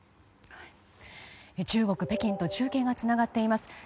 中国・北京と中継がつながっています。